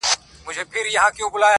تنها نوم نه چي خِصلت مي د انسان سي,